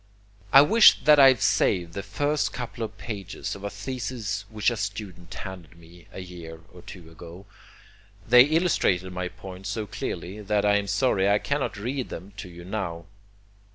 I wish that I had saved the first couple of pages of a thesis which a student handed me a year or two ago. They illustrated my point so clearly that I am sorry I cannot read them to you now.